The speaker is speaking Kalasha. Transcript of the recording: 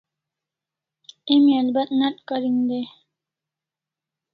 Emi albat nat karin dai